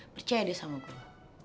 percaya deh sama gue